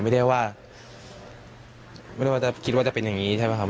ไม่ได้ว่าไม่ได้ว่าจะคิดว่าจะเป็นอย่างนี้ใช่ไหมครับ